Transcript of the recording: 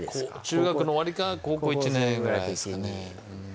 中学の終わりか高校１年ぐらいですかね